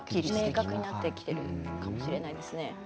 明確になってきているかもしれません。